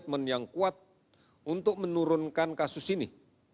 komitmen yang kuat untuk menurunkan kasus ini